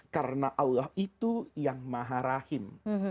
karena allah itu yang maharahim